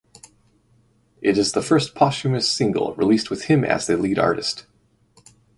It is the first posthumous single released with him as the lead artist.